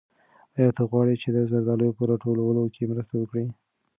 آیا ته غواړې چې د زردالیو په راټولولو کې مرسته وکړې؟